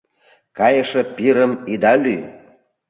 Кайыше пирым ида лӱй, -